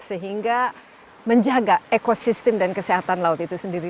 sehingga menjaga ekosistem dan kesehatan laut itu sendiri